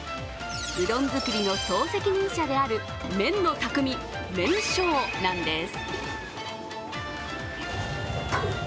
うどん作りの総責任者である麺の匠、麺匠なんです。